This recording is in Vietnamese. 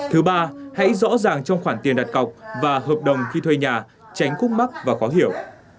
thứ ba hãy rõ ràng trong khoản tiền đặt cọc và hợp đồng khi thuê nhà tránh cúc mắc và khó hiểu